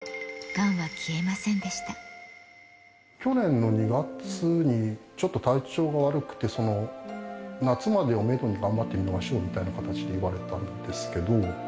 抗がん剤治療を２回行うも、去年の２月に、ちょっと体調悪くて、夏までをメドに頑張ってみましょうみたいな形で言われたんですけ